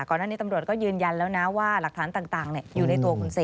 ก่อนหน้านี้ตำรวจก็ยืนยันแล้วนะว่าหลักฐานต่างอยู่ในตัวคุณเซ